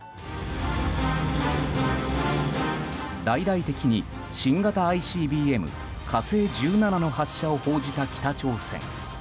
大々的に新型ＩＣＢＭ「火星１７」の発射を報じた北朝鮮。